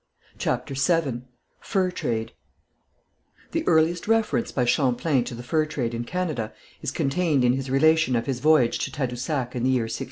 CHAPTER VII FUR TRADE The earliest reference by Champlain to the fur trade in Canada, is contained in his relation of his voyage to Tadousac in the year 1603.